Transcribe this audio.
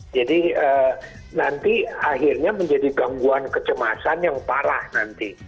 jadi nanti akhirnya menjadi gangguan kecemasan yang parah nanti